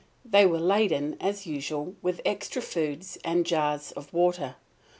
They were laden, as usual, with extra food and jars of water.